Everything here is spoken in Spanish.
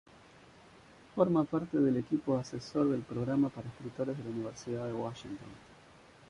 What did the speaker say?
Forma parte del equipo asesor del programa para escritores de la Universidad de Washington.